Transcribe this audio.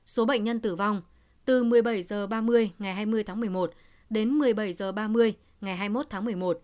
số bệnh nhân tử vong từ một mươi bảy h ba mươi ngày hai mươi tháng một mươi một đến một mươi bảy h ba mươi ngày hai mươi một tháng một mươi một